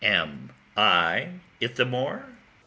Am I Ithamore?